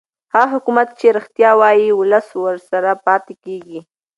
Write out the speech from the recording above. هغه حکومت چې رښتیا وايي ولس ورسره پاتې کېږي